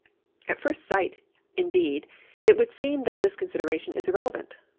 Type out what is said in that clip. At first sight, indeed, it would seem that this consideration is irrelevant.